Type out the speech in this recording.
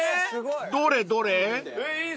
［どれどれ？］